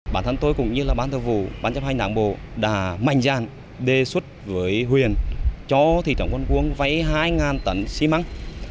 bản thân tôi cũng như là bán thờ vụ bán chấp hành đảng bộ đã mạnh dạn đề xuất với huyện cho thị trấn con cuông vây hai tấn xi măng